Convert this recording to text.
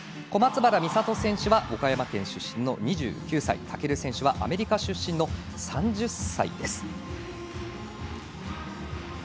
小松原美里選手は岡山県出身の２９歳尊選手はアメリカ出身の３０歳。